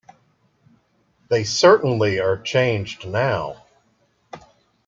They certainly are changed now.